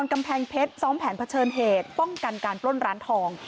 กำแพงเพชรซ้อมแผนเผชิญเหตุป้องกันการปล้นร้านทอง